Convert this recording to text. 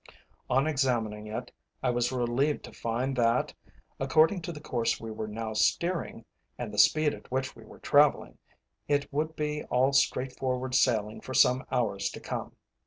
On examining it, I was relieved to find that, according to the course we were now steering, and the speed at which we were travelling, it would be all straightforward sailing for some hours to come.